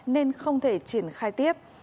nên không thể triển khai tiếp